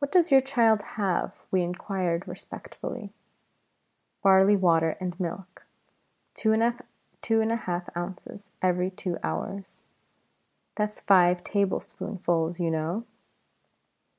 "What does your child have?" we inquired respectfully. "Barley water and milk, two and a half ounces every two hours that's five tablespoonfuls, you know."